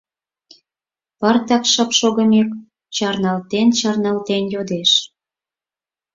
Пыртак шып шогымек, чарналтен-чарналтен йодеш: